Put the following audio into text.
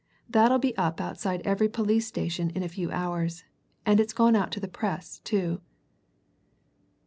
That'll be up outside every police station in a few hours, and it's gone out to the Press, too."